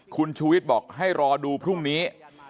คุณชูวิทย์บอกให้รอดูพรุ่งนี้